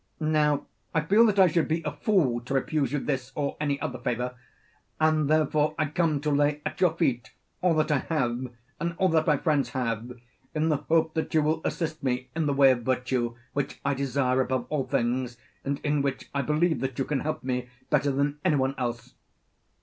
Now I feel that I should be a fool to refuse you this or any other favour, and therefore I come to lay at your feet all that I have and all that my friends have, in the hope that you will assist me in the way of virtue, which I desire above all things, and in which I believe that you can help me better than any one else.